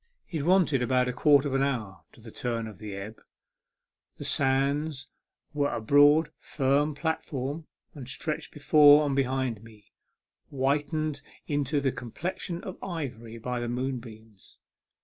It wanted about a quarter of an hour to the turn of the ebb. The sands were a broad, firm platform, and stretched before and behind me, whitened into the complexion of ivory by the moonbeams.